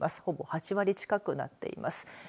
ほぼ８割近くなっています。